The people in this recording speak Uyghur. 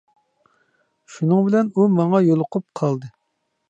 شۇنىڭ بىلەن، ئۇ ماڭا يولۇقۇپ قالدى.